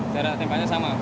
jarak tembaknya sama